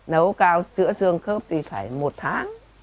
nấu cao chữa xương khớp thì phải một tháng